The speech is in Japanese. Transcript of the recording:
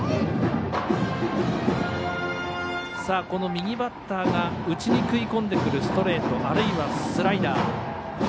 この右バッターが内に食い込んでくるストレートあるいはスライダー